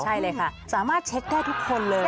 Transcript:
ใช่เลยค่ะสามารถเช็คได้ทุกคนเลย